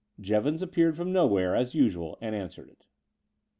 Jevons appeared from nowhere, as usual, and answered it.